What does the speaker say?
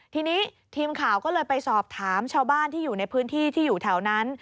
ทีนี้ทีมข่าวก็เลยไปสอบถามชาวบ้านที่อยู่ในพื้นที่ที่อยู่แถวนั้น